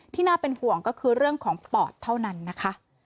น่าเป็นห่วงก็คือเรื่องของปอดเท่านั้นนะคะ